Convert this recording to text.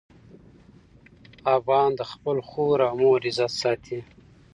افغان د خپل خور او مور عزت ساتي.